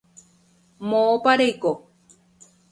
Moõpa reiko.